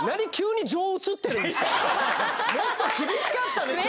もっと厳しかったでしょ？